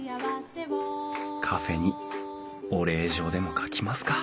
カフェにお礼状でも書きますか！